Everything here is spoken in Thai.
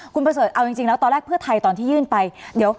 คุณเบ้อเศรษฐ์เอาจริงแล้วตอนแรกเผื่อไทยต้องที่ยื่นไป